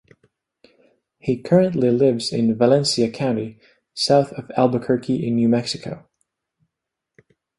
He currently lives in Valencia County, south of Albuquerque in New Mexico.